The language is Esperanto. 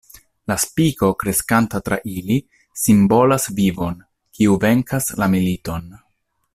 La spiko, kreskanta tra ili, simbolas vivon, kiu venkas la militon.